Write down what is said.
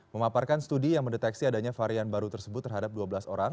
memaparkan studi yang mendeteksi adanya varian baru tersebut terhadap dua belas orang